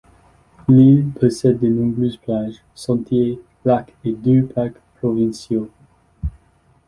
L'île possède de nombreuses plages, sentiers, lacs et deux parcs provinciaux.